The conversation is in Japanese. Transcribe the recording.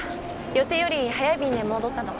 予定より早い便で戻ったの。